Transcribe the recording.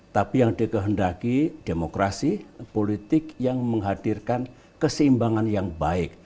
tapi yang dikehendaki demokrasi politik yang menghadirkan keseimbangan yang baik